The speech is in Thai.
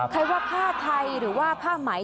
ใครว่าผ้าไทยหรือว่าผ้าไหม